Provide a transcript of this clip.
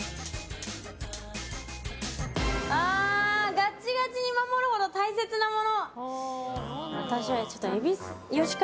ガチガチに守るほど大切なもの！